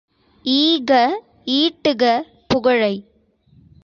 ஈக, ஈட்டுக புகழை.